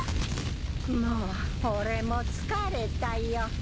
もう俺も疲れたよ。